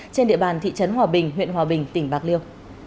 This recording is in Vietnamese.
trên địa bàn thị trấn hòa bình huyện hòa bình tỉnh bạc liêu